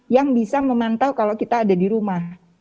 yang bisa memantau kalau kita ada di rumah